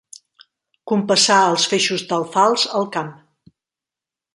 Compassar els feixos d'alfals al camp.